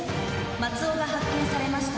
松尾が発見されました。